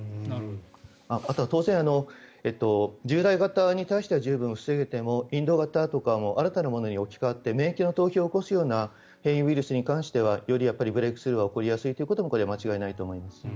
あと当然、従来型に対しては十分防げてもインド型とか新たなものに置き換わって免疫の逃避を起こすような変異ウイルスに関してはよりブレークスルーが起こりやすいというのはこれは間違いないと思います。